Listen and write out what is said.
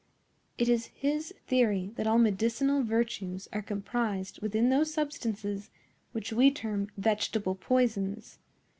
It is his theory that all medicinal virtues are comprised within those substances which we term vegetable poisons.